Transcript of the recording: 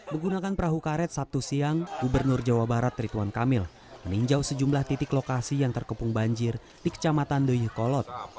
menggunakan perahu karet sabtu siang gubernur jawa barat rituan kamil meninjau sejumlah titik lokasi yang terkepung banjir di kecamatan doyekolot